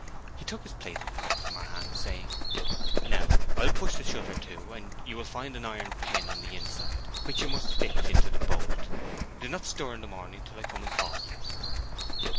He took his plate and cup from her hands, saying, "Now I'll push the shutter to, and you will find an iron pin on the inside, which you must fix into the bolt. Do not stir in the morning till I come and call you."